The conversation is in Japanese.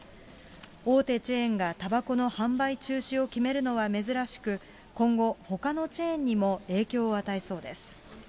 大手チェーンがたばこの販売中止を決めるのは珍しく、今後、ほかのチェーンにも影響を与えそうです。